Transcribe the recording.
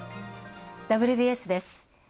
「ＷＢＳ」です。